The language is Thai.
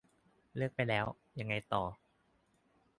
เลือกไปแล้ว ยังไงต่อ ?